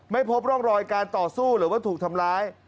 ไม่พบร่องรอยการต่อสู้หรือว่าถูกทำร้าย